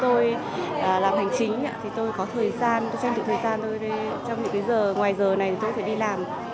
tôi tranh thủ thời gian thôi trong những giờ ngoài giờ này tôi có thể đi làm